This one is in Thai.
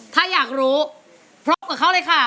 ถ้าอยากรู้พร้อมกับเขาเลยค่ะ